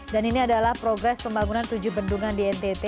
dan ini adalah progres pembangunan tujuh bendungan di ntt